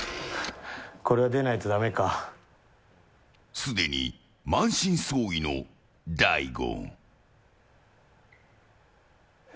すでに満身創痍の大悟。